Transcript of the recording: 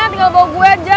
tinggal bawa gue aja